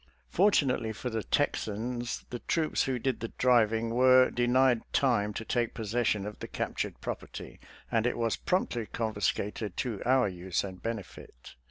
Fortunately for the Texans, the troops who did the driving were de nied time to take possession of the captured property, and it was promptly confiscated to our use and benefit.